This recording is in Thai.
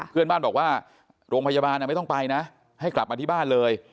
เพื่อนบ้านบอกว่าโรงพยาบาลไม่ต้องไปนะให้กลับมาที่บ้านเลย